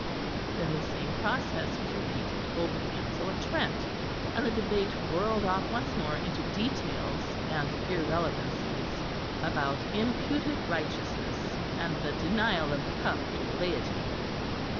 Then the same process was repeated over the Council of Trent; and the debate whirled off once more into details and irrelevancies about imputed righteousness, and the denial of the Cup to the laity.